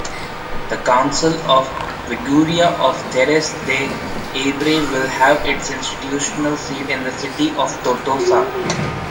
The Council of the Vegueria of Terres de l’Ebre will have its institutional seat in the city of Tortosa.